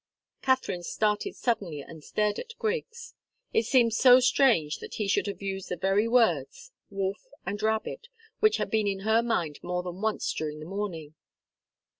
Katharine started suddenly and stared at Griggs. It seemed so strange that he should have used the very words wolf and rabbit which had been in her mind more than once during the morning.